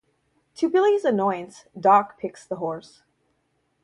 To Billy's annoyance, Doc picks the horse.